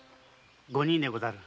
五人でござる。